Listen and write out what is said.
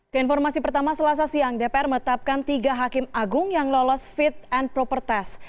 keinformasi pertama selasa siang dpr menetapkan tiga hakim agung yang lolos fit and proper test